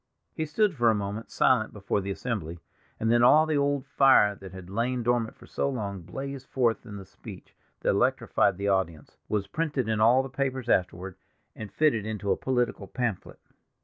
He stood for a moment silent before the assembly, and then all the old fire that had lain dormant for so long blazed forth in the speech that electrified the audience, was printed in all the papers afterward, and fitted into a political pamphlet.